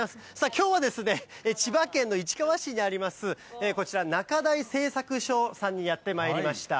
きょうはですね、千葉県の市川市にあります、こちら中台製作所さんにやってまいりました。